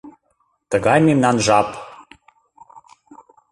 Тыгай мемнан жап!